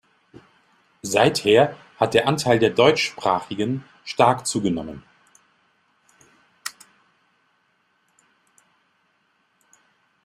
Seither hat der Anteil der Deutschsprachigen stark zugenommen.